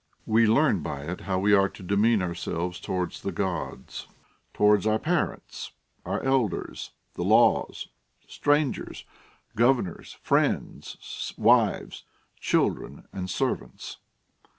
AVe learn by it how we are to demean ourselves towards the Gods, towards our parents, our elders, the laws, strangers, governors, friends, wives, children, and servants.